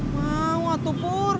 mau atu pur